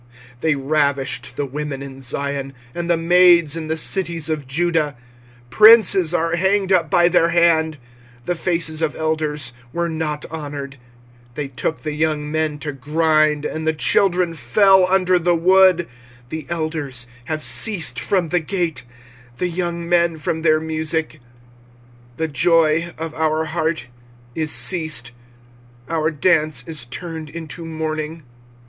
25:005:011 They ravished the women in Zion, and the maids in the cities of Judah. 25:005:012 Princes are hanged up by their hand: the faces of elders were not honoured. 25:005:013 They took the young men to grind, and the children fell under the wood. 25:005:014 The elders have ceased from the gate, the young men from their musick. 25:005:015 The joy of our heart is ceased; our dance is turned into mourning.